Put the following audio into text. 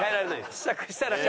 試着したら。